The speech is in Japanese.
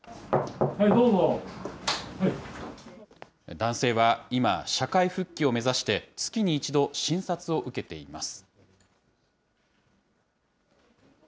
男性は、今、社会復帰を目指して、月に１度、診察を受けています。